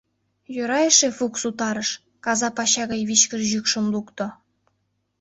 Йӧра эше, Фукс утарыш — каза пача гай вичкыж йӱкшым лукто: